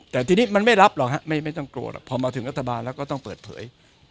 แต่ทีนี้มันไม่รับหรอกฮะไม่ต้องกลัวหรอกพอมาถึงรัฐบาลแล้วก็ต้องเปิดเผย